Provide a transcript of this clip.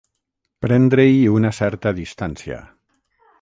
Prendre-hi una certa distància.